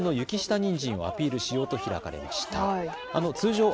町特産の雪下にんじんをアピールしようと開かれました。